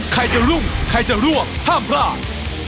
ใครจะรุ่งใครจะร่วงห้ามพลาด